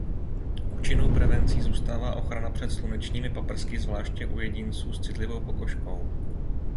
Účinnou prevencí zůstává ochrana před slunečními paprsky zvláště u jedinců s citlivou pokožkou.